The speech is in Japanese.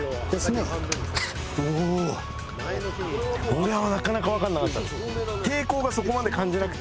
これはなかなか分かんなかったです。